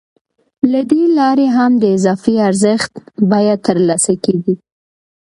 له دې لارې هم د اضافي ارزښت بیه ترلاسه کېږي